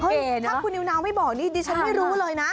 ถ้าคุณนิวนาวไม่บอกนี่ดิฉันไม่รู้เลยนะ